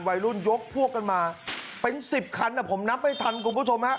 วัยรุ่นยกพวกกันมาเป็นสิบคันผมนับไม่ทันคุณผู้ชมฮะ